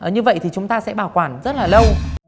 như vậy thì chúng ta sẽ bảo quản rất là lâu